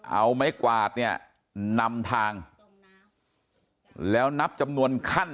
เอาไม้กวาดเนี่ยนำทางแล้วนับจำนวนขั้น